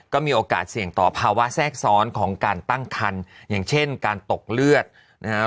ก็มีโอกาสเสี่ยงต่อภาวะแทรกซ้อนของการตั้งคันอย่างเช่นการตกเลือดนะฮะ